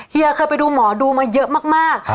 เฮียเคยไปดูหมอดูมาเยอะมาก